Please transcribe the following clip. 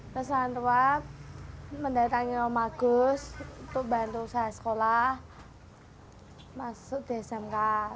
terus orang tua mendatangi om agus untuk bantu saya sekolah masuk di smk